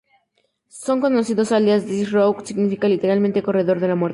Su conocido alias, Des-row, significa literalmente ""corredor de la muerte"".